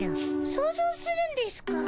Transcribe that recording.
想ぞうするんですかぁ？